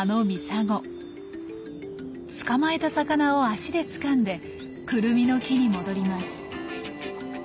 捕まえた魚を足でつかんでクルミの木に戻ります。